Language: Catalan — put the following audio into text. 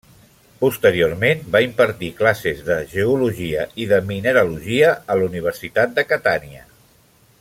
Posteriorment va impartir classes de geologia i de mineralogia a la Universitat de Catània.